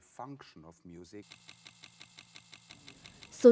sôn ất ánh trăng